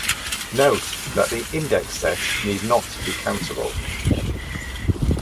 Note that the index set need not be countable.